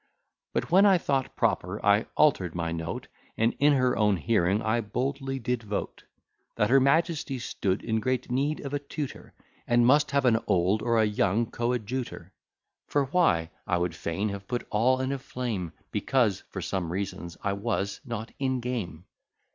But, when I thought proper, I alter'd my note; And in her own hearing I boldly did vote, That her Majesty stood in great need of a tutor, And must have an old or a young coadjutor: For why; I would fain have put all in a flame, Because, for some reasons, I was _Not in game.